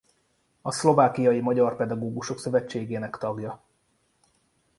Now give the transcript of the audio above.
A Szlovákiai Magyar Pedagógusok Szövetségének tagja.